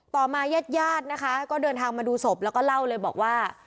ต่อมาญาติญาตินะคะก็เดินทางมาดูศพแล้วก็เล่าเลยบอกว่า